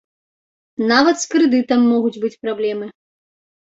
Нават з крэдытам могуць быць праблемы.